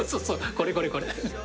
これこれこれ。